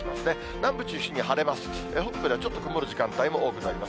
南部中心に晴れます。